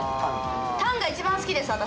タンが一番好きです私。